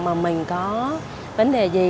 mà mình có vấn đề gì